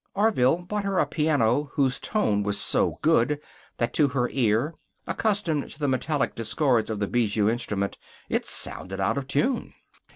Orville bought her a piano whose tone was so good that to her ear, accustomed to the metallic discords of the Bijou instrument, it sounded out of tune.